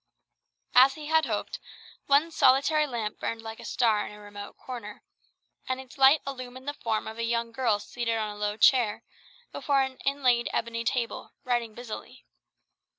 As he had hoped, one solitary lamp burned like a star in a remote corner; and its light illumined the form of a young girl seated on a low chair, before an inlaid ebony table, writing busily.